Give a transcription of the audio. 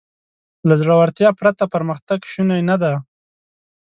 له زړهورتیا پرته پرمختګ شونی نهدی.